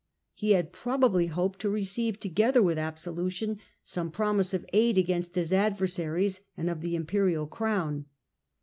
He had probably hoped to receive, together with absolution, some promise of aid against his adversaries and of the imperial crown.